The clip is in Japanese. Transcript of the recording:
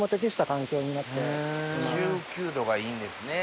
１９度がいいんですね。